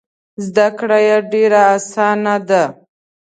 زده کړه یې ډېره اسانه ده.